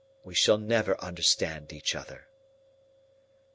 We shall never understand each other."